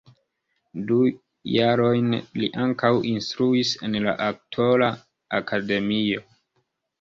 Du jarojn li ankaŭ instruis en la aktora akademio.